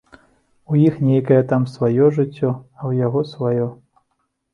У іх нейкае там сваё жыццё, а ў яго сваё.